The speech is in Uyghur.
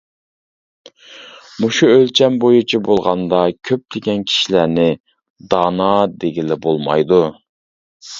مۇشۇ ئۆلچەم بويىچە بولغاندا كۆپلىگەن كىشىلەرنى دانا دېگىلى بولمايدۇ.